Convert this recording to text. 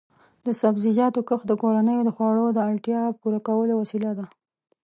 د سبزیجاتو کښت د کورنیو د خوړو د اړتیا پوره کولو وسیله ده.